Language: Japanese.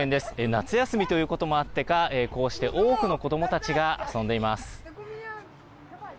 夏休みということもあってか、こうして多くの子どもたちが遊んでいます。